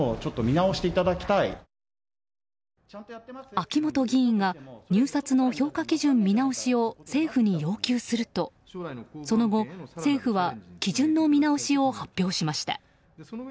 秋本議員が入札の評価基準見直しを政府に要求するとその後、政府は基準の見直しを発表しました。